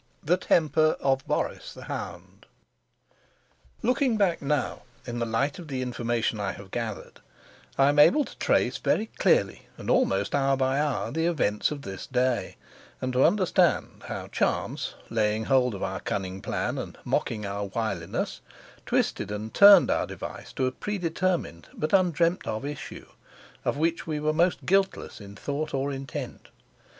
THE TEMPER OF BORIS THE HOUND Looking back now, in the light of the information I have gathered, I am able to trace very clearly, and almost hour by hour, the events of this day, and to understand how chance, laying hold of our cunning plan and mocking our wiliness, twisted and turned our device to a predetermined but undreamt of issue, of which we were most guiltless in thought or intent.